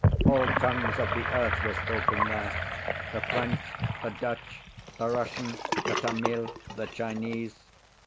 All tongues of the earth were spoken there; the French, the Dutch, the Russian, the Tamil, the Chinese.